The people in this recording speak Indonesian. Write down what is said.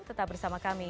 tetap bersama kami